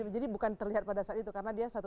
jadi bukan terlihat pada saat itu karena dia